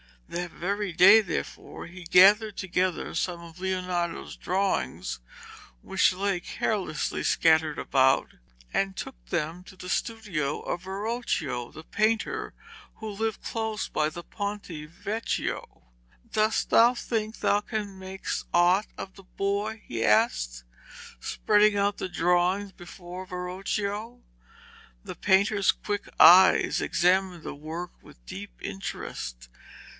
That very day, therefore, he gathered together some of Leonardo's drawings which lay carelessly scattered about, and took them to the studio of Verocchio the painter, who lived close by the Ponte Vecchio. 'Dost thou think thou canst make aught of the boy?' he asked, spreading out the drawings before Verocchio. The painter's quick eyes examined the work with deep interest.